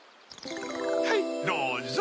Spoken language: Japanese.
はいどうぞ。